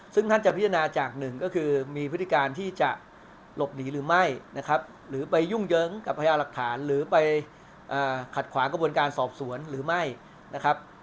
ซึ่งท่านจะพิจารณาจากหนึ่งก็คือมีพฤติการที่จะหลบหนีหรือไม่นะครับหรือไปยุ่งเยิ้งกับพญาหลักฐานหรือไปขัดขวางกระบวนการสอบสวนหรือไม่นะครับ